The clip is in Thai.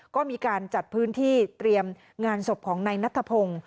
ก็มีการจัดพื้นที่เตรียมงานศพของนายนัทพงศ์